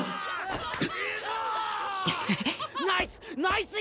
ナイス！